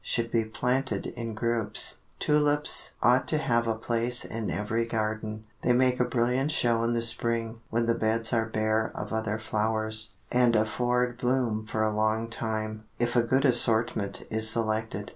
Should be planted in groups. Tulips ought to have a place in every garden. They make a brilliant show in the Spring, when the beds are bare of other flowers, and afford bloom for a long time, if a good assortment is selected.